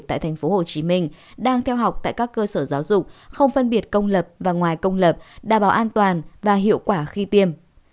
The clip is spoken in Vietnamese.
tại tp hcm đang theo học tại các cơ sở giáo dục không phân biệt công lập và ngoài công lập đảm bảo an toàn và hiệu quả khi tiêm